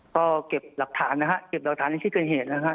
ก็เก็บหลักฐานนะฮะเก็บหลักฐานในที่เกิดเหตุนะฮะ